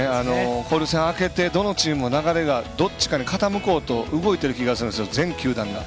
交流戦明けて、どのチームも流れが、どっちかに傾こうと動いている気がするんです、全球団が。